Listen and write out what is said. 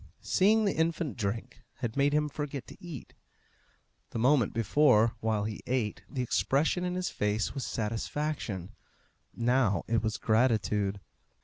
Seeing the infant drink had made him forget to eat. The moment before, while he ate, the expression in his face was satisfaction; now it was gratitude.